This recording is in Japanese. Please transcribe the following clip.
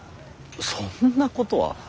そんなことは。